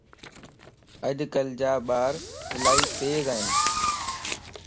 اڄ ڪل جا ٻار الائي تيزائين